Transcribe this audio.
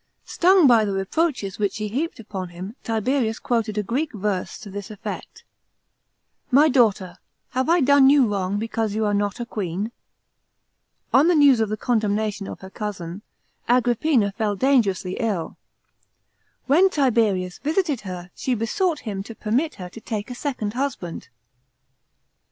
Stung by the reproaches which she heaped upon him, Tiberius quoted a Greek verse to this effect :" My daughter, have I done you wrong, because you are not a queen?" On the news of the condemnation of her cousin, Agrippina fell dangerously ill. When Tiberius visited her, she besought him to permit her to take a second husband.